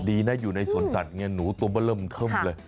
ดีนะอยู่ในสวนสัตว์เนี่ยหนูตัวมันเริ่มเข้มเลย